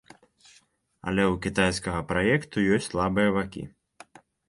Але ў кітайскага праекту ёсць і слабыя бакі.